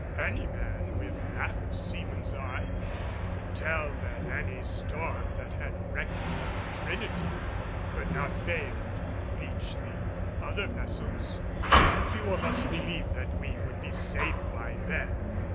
Any man with half a seaman's eye could tell that any storm that had wrecked the Trinity could not fail to beach the other vessels; and few of us believed that we would be saved by them.